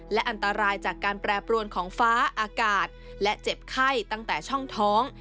และอันตรายจากการแปรปรวนของฟ้าอากาศและเจ็บไข้ตั้งแต่ช่องท้อง